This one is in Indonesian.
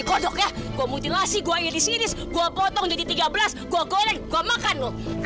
kodok ya gue muntin nasi gue ilis ilis gue potong jadi tiga belas gue goreng gue makan loh